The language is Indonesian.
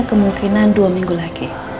kemungkinan dua minggu lagi